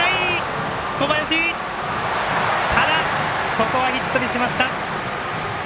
ここはヒットにしました！